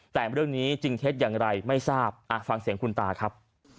แต่เรื่องนี้จริงเท็จอย่างไรไม่ทราบฟังเสียงคุณตาครับ